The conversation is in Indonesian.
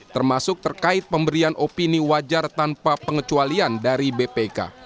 termasuk terkait pemberian opini wajar tanpa pengecualian dari bpk